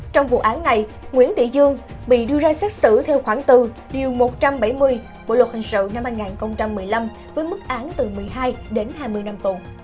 trong vụ án này nguyễn thị dương bị đưa ra xét xử theo khoảng bốn điều một trăm bảy mươi bộ luật hình sự năm hai nghìn một mươi năm với mức án từ một mươi hai đến hai mươi năm tù